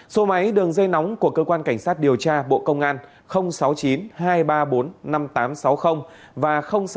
số máy đường dây nóng của cơ quan cảnh sát điều tra bộ công an sáu mươi chín hai trăm ba mươi bốn năm nghìn tám trăm sáu mươi và sáu mươi chín hai trăm ba mươi một một nghìn sáu trăm